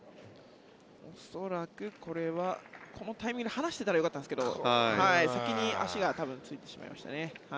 恐らくこれはこのタイミングで離していたらよかったんですが多分先に足がついてしまいましたね。